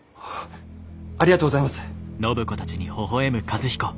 ありがとうございます。